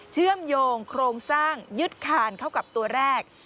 เชื่อมโยงโครงสร้างยึดคานเข้ากับตัวแรก